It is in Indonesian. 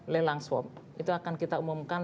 lelang swab itu akan kita umumkan